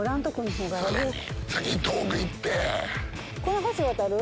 この橋渡る？